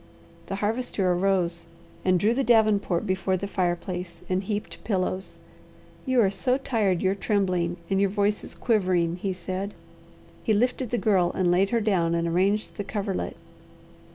The Harvester arose and drew the davenport before the fireplace, and heaped pillows. "You are so tired you are trembling, and your voice is quivering," he said. He lifted the Girl, laid her down and arranged the coverlet.